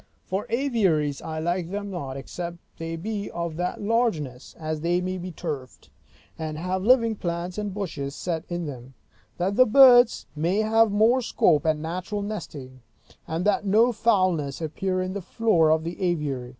For aviaries, I like them not, except they be of that largeness as they may be turfed, and have living plants and bushes set in them; that the birds may have more scope, and natural nesting, and that no foulness appear in the floor of the aviary.